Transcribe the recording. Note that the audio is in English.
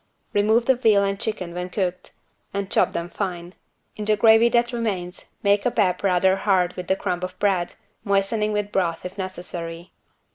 Remove the veal and chicken when cooked, and chop them fine. In the gravy that remains make a pap rather hard with the crumb of bread, moistening with broth if necessary.